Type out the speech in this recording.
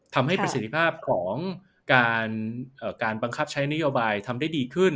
ทำให้ประสิทธิภาพของการบังคับใช้นโยบายทำได้ดีขึ้น